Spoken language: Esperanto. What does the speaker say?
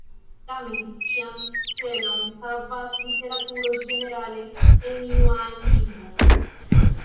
Tamen, kian celon havas literaturo ĝenerale, en iu ajn lingvo?